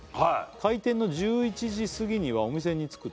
「開店の１１時すぎにはお店に着くと」